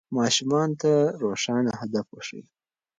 ماشومانو ته روښانه هدف وښیئ.